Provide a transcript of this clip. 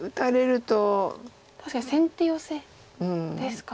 確かに先手ヨセですか。